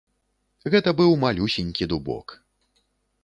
Гэта быў малюсенькі дубок.